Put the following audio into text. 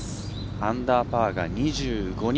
アンダーパーが２５人。